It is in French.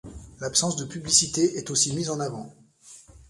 L'absence de publicités est aussi mise en avant.